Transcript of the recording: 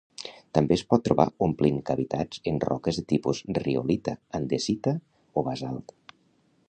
També es pot trobar omplint cavitats en roques de tipus riolita, andesita o basalt.